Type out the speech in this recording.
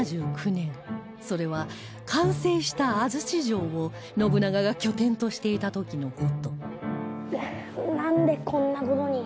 それは完成した安土城を信長が拠点としていた時の事